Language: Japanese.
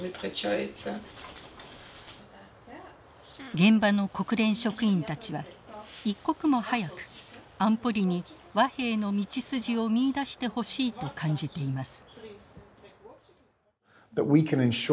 現場の国連職員たちは一刻も早く安保理に和平の道筋を見いだしてほしいと感じています。